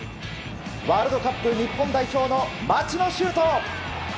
ワールドカップ日本代表の町野修斗！